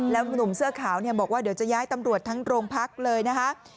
แล้วหนุ่มเสื้อขาวเนี่ยบอกว่าเดี๋ยวจะย้ายตำรวจทั้งโรงพักเลยนะคะ